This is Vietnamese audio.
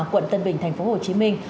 quận tân bình thành phố hồ chí minh